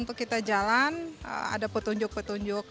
untuk kita jalan ada petunjuk petunjuk